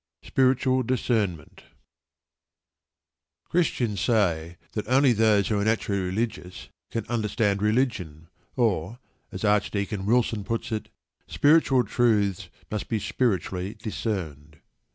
SPIRITUAL DISCERNMENT Christians say that only those who are naturally religious can understand religion, or, as Archdeacon Wilson puts it, "Spiritual truths must be spiritually discerned."